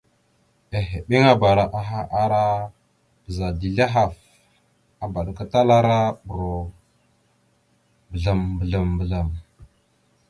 Ehebeŋabara aha ara bəza dezl ahaf, abaɗakatalara ohərov mbəzlam- mbəzlam.